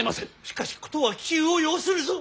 しかし事は急を要するぞ。